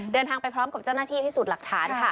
เดินทางไปพร้อมกับเจ้าหน้าที่พิสูจน์หลักฐานค่ะ